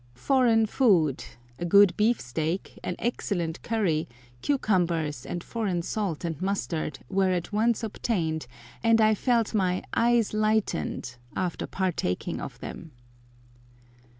"Foreign food"—a good beef steak, an excellent curry, cucumbers, and foreign salt and mustard, were at once obtained, and I felt my "eyes lightened" after partaking of them.